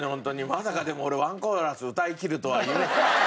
まさかでも俺ワンコーラス歌いきるとは。